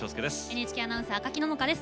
ＮＨＫアナウンサー赤木野々花です。